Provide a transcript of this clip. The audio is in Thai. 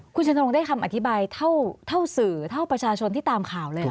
คุณชะนงได้คำอธิบายเท่าสื่อเท่าประชาชนที่ตามข่าวเลยเหรอ